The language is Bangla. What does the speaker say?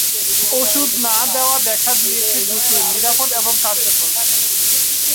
ওষুধ না-দেওয়া দেখা গিয়েছে দুটোই: নিরাপদ এবং কার্যকর।